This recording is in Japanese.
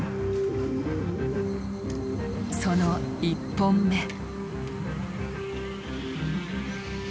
その１本目。